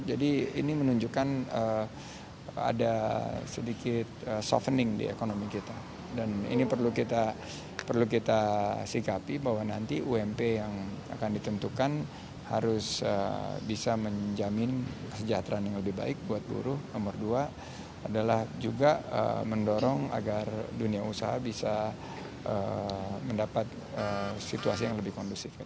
jadi ini menunjukkan ada sedikit softening di ekonomi kita dan ini perlu kita sikapi bahwa nanti ump yang akan ditentukan harus bisa menjamin kesejahteraan yang lebih baik buat buruh umur dua adalah juga mendorong agar dunia usaha bisa mendapat situasi yang lebih kondusif ke depan